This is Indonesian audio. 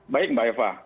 baik mbak eva